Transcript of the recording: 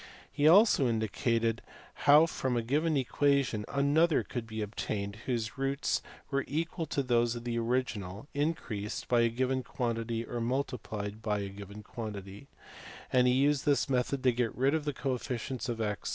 He also indicated how from a given equation another could be obtained whose roots were equal to those of the original increased by a given quan tity or multiplied by a given quantity : and he used this method to get rid of the cofficient of a?